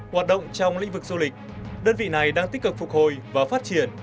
hoạt động trong lĩnh vực du lịch đơn vị này đang tích cực phục hồi và phát triển